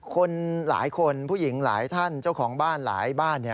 คนหลายคนผู้หญิงหลายท่านเจ้าของบ้านหลายบ้าน